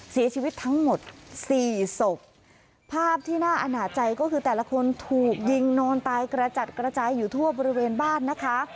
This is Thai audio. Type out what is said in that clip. เสียชีวิตทั้งหมดสี่ศพภาพที่น่าอนาจใจก็คือแต่ละคนถูกยิงนอนตายกระจัดกระจายอยู่ทั่วบริเวณบ้านนะคะ